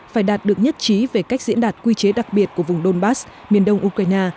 phải đạt được nhất trí về cách diễn đạt quy chế đặc biệt của vùng donbass miền đông ukraine